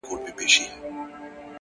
تمرکز بریا ته مستقیمه لاره ده